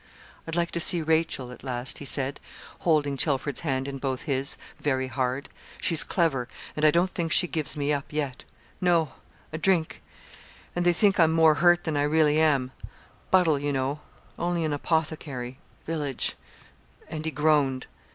'I'd like to see Rachel,' at last he said, holding Chelford's hand in both his, very hard. 'She's clever and I don't think she gives me up yet, no a drink! and they think I'm more hurt than I really am Buddle, you know only an apothecary village;' and he groaned.